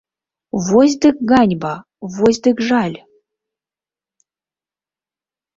Вось дык ганьба, вось дык жаль!